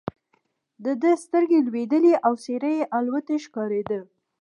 د ده سترګې لوېدلې او څېره یې الوتې ښکارېده.